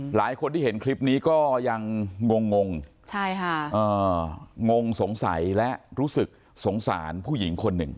หลายคนที่เห็นคลิปนี้ก็ยังงงงสงสัยและรู้สึกสงสารผู้หญิงคนหนึ่ง